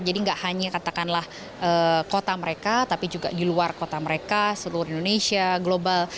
jadi tidak hanya katakanlah kota mereka tapi juga di luar kota mereka seluruh indonesia global